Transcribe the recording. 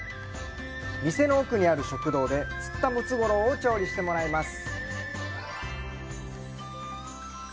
店の奥にある食堂で、釣ったムツゴロウを調理してもらいます。